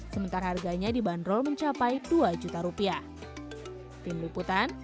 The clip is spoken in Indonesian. sementara harganya dibanderol mencapai dua juta rupiah